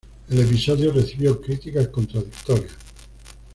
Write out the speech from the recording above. El episodio recibió críticas contradictorias.